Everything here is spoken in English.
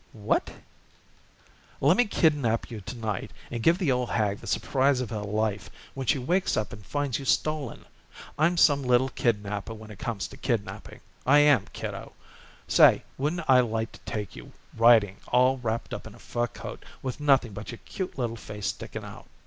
"What " "Lemme kidnap you to night and give the old hag the surprise of her life when she wakes up and finds you stolen. I'm some little kidnapper when it comes to kidnapping, I am, kiddo. Say, wouldn't I like to take you riding all wrapped up in a fur coat with nothing but your cute little face sticking out."